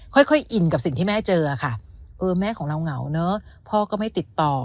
ค่อยอินกับสิ่งที่แม่เจอค่ะเออแม่ของเราเหงาเนอะพ่อก็ไม่ติดต่อ